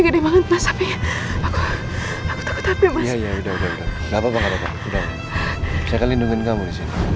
cuma membuat aku semakin rumit